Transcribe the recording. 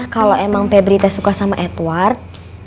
kalau emang pebri teh suka sama edward